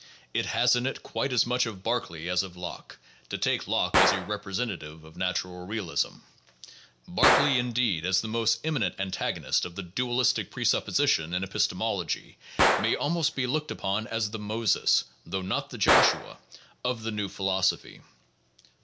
It has in it quite as much of Berkeley as of Locke — to take Locke as a representative of natural realism; Berkeley, indeed, as the most eminent antagonist of the dualistic presupposition in epistemology, may almost be looked upon as the Moses — though not the Joshua — of the new philosophy.